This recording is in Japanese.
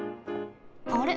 あれ？